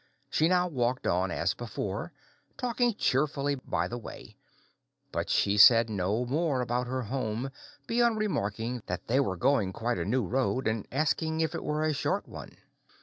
She now walked on as before, talking cheerfully by the way; but she said no more about her home, beyond remarking that they were going quite a new road, and asking if it were a short one.